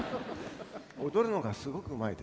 踊るのがすごくうまいです。